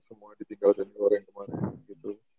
semua ditinggal dari teman teman yang kemarin gitu